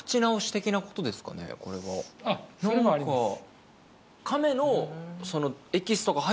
あっそれもあります。